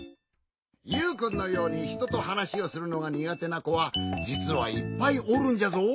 ユウくんのようにひとと話をするのが苦手な子はじつはいっぱいおるんじゃぞ。